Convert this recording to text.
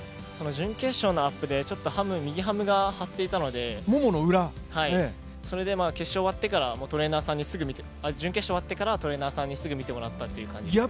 準決勝のアップで、ちょっと右ハムが張っていたので、準決勝が終わってからトレーナーさんにすぐ見てもらいました。